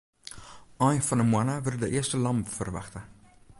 Ein fan 'e moanne wurde de earste lammen ferwachte.